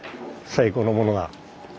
最高のものが。